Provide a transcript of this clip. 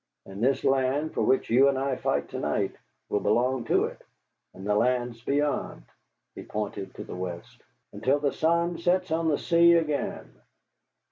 And this land for which you and I shall fight to night will belong to it, and the lands beyond," he pointed to the west, "until the sun sets on the sea again."